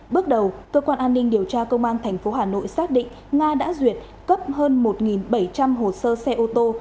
bước đầu cơ quan an ninh điều tra công an tp hà nội xác định nga đã duyệt cấp hơn một bảy trăm linh hồ sơ xe ô tô